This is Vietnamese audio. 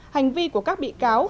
hành vi của các bị cáo